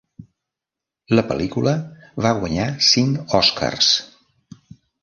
La pel·lícula va guanyar cinc Oscars.